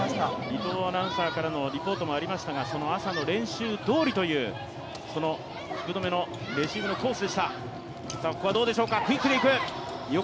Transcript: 伊藤アナウンサーからのリポートにもありましたが、その朝の練習どおりという、福留のレシーブのコースでした。